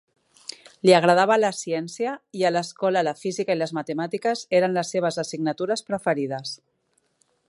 Li agradava la ciència, i a l'escola la física i les matemàtiques eren les seves assignatures preferides.